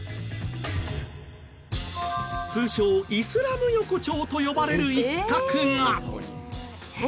通称イスラム横丁と呼ばれる一角が。